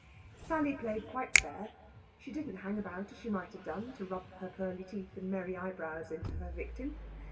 Sally played quite fair. She didn't hang about as she might have done, to rub her pearly teeth and merry eyebrows into her victim.